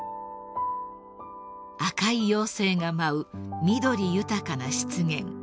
［赤い妖精が舞う緑豊かな湿原］